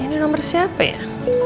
ini nomor siapa ya